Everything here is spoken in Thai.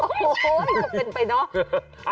โอ้โฮยังเป็นไปเนอะ